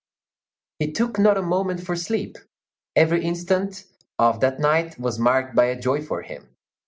He took not a moment for sleep; every instant of that night was marked by a joy for him.